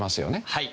はい。